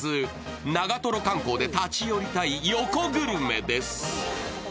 長瀞観光で立ち寄りたい横グルメです。